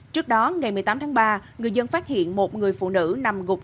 trước đó ngày một mươi tám tháng ba người dân phát hiện một người phụ nữ nằm gục